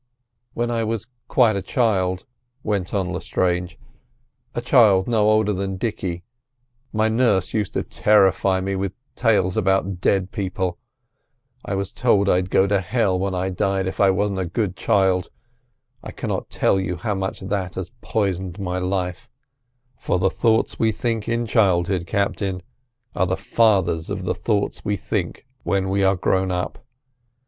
"When I was quite a child," went on Lestrange, "a child no older than Dicky, my nurse used to terrify me with tales about dead people. I was told I'd go to hell when I died if I wasn't a good child. I cannot tell you how much that has poisoned my life, for the thoughts we think in childhood, Captain, are the fathers of the thoughts we think when we are grown up.